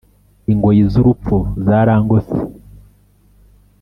Ingoyi z urupfu zarangose